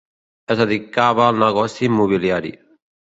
Es dedicava al negoci immobiliari.